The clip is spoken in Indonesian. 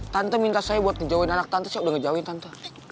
tante minta saya buat ngejawain anak tante saya udah ngejawain tante